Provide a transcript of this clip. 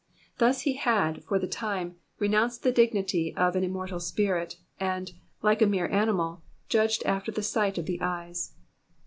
Thus he had, for the time, renounced tlie dignity of an immortal spirit, and, like a mere animal, judged after the sight of the eyes.